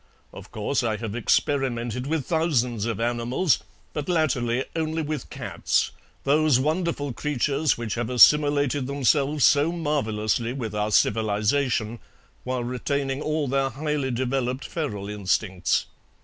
Of course I have experimented with thousands of animals, but latterly only with cats, those wonderful creatures which have assimilated themselves so marvellously with our civilization while retaining all their highly developed feral instincts.